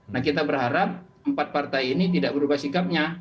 nah kita berharap empat partai ini tidak berubah sikapnya